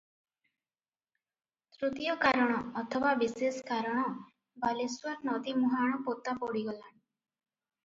ତୃତୀୟ କାରଣ ଅଥବା ବିଶେଷ କାରଣ, ବାଲେଶ୍ୱର ନଦୀ ମୁହାଣ ପୋତା ପଡି ଗଲାଣି ।